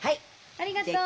ありがとう。